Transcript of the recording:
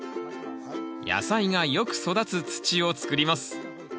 野菜がよく育つ土をつくります。